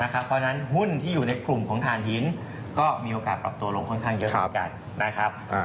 นะครับเพราะฉะนั้นหุ้นที่อยู่ในกลุ่มของถ่านหินก็มีโอกาสปรับตัวลงค่อนข้างเยอะครับนะครับอ่า